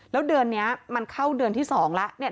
แล้วเดือนนี้มันเข้าเดือนที่๒แล้ว